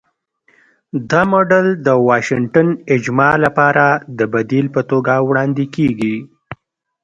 دا موډل د 'واشنګټن اجماع' لپاره د بدیل په توګه وړاندې کېږي.